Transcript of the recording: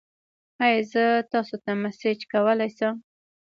ایا زه تاسو ته میسج کولی شم؟